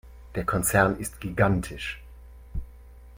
Der Konzern ist gigantisch.